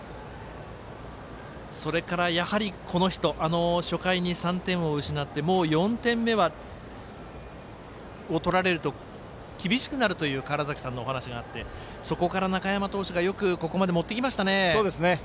それから、やはり、この人初回に３点を失ってもう４点目を取られると厳しくなるという川原崎さんのお話があってそこから中山投手がここまで、よくもってきましたね。